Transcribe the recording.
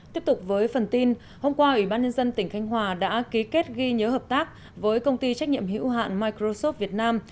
tiếp tục với phần tin hôm qua ủy ban nhân dân tỉnh khánh hòa đã ký kết ghi nhớ hợp tác với công ty trách nhiệm hữu hạn microsoft việt nam